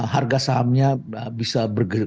harga sahamnya bisa bergegas